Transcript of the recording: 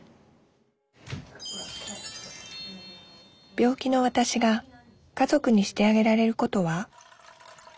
病気のわたしが家族にしてあげられることは？